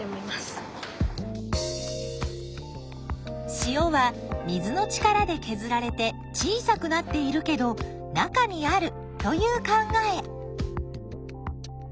塩は水の力でけずられて小さくなっているけど中にあるという考え。